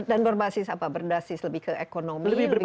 dan berbasis apa berbasis lebih ke ekonomi lebih ke budaya